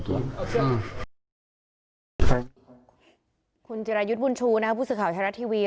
จริงอ่าคุณจิรายุทธบุญชูนะฮะพูดสถานการณ์ชายรัฐทีวี